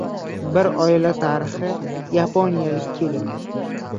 Bir oila tarixi: yaponiyalik kelin